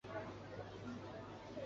繁体中文版由台湾光谱代理。